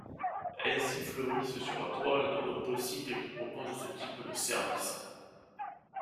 Ainsi, fleurissent sur la Toile de nombreux sites qui proposent ce type de service.